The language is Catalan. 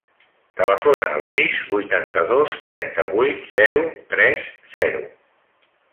Telefona al sis, vuitanta-dos, trenta-vuit, zero, tres, zero.